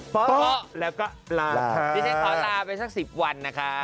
บ๊ายบาย